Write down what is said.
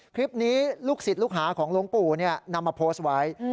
คลิปนี้ลูกศิษย์ลูกหาของหลวงปู่นำมาโพสต์ไว้